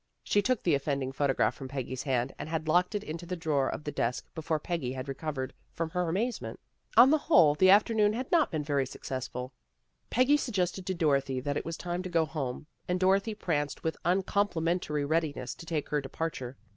She took the offending pho tograph from Peggy's hand, and had locked it into the drawer of the desk before Peggy had recovered from her amazement. On the whole, the afternoon had not been very successful. Peggy suggested to Dorothy that it was time to go home, and Dorothy pranced with uncomplimentary readiness to take her departure.